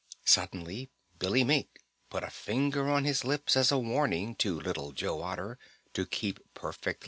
Suddenly Billy Mink put a finger on his lips as a warning to Little Joe Otter to keep perfectly still.